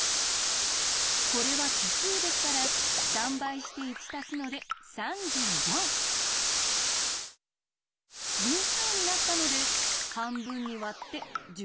これは奇数ですから３倍して１たすので偶数になったので半分に割って１７。